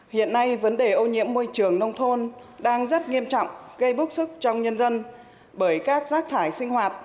hiện nay vấn đề ô nhiễm môi trường nông thôn đang rất nghiêm trọng gây bức xúc trong nhân dân bởi các rác thải sinh hoạt